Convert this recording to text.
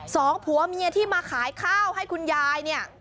สองผัวเมียที่มาขายข้าวให้คุณยายเนี่ย